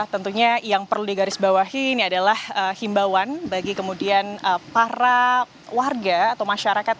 tentunya yang perlu digarisbawahi ini adalah himbawan bagi kemudian para warga atau masyarakat